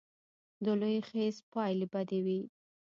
د لوی خیز پایلې بدې وې.